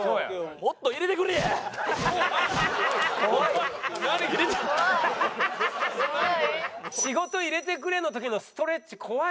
仕事入れてくれの時のストレッチ怖いな。